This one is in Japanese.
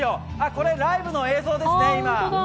これ、ライブの映像ですね、今。